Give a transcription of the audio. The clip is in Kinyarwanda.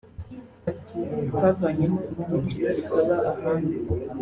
Ati “Twavanyemo ibyiciro bitaba ahandi